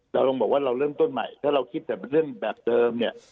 เราต้องบอกว่าเราเริ่มต้นใหม่ถ้าเราคิดแต่เป็นเรื่องแบบเดิมเนี่ย